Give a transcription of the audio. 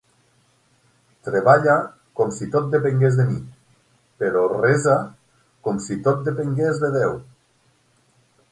Treballa com si tot depengués de mi, però resa com si tot depengués de Déu.